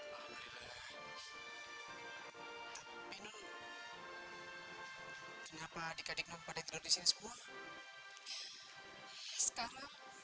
tapi noh kenapa adik adik nompaden terdiri semua sekarang